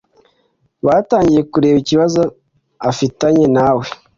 Batangiye kureba ikibazo afitanye nawe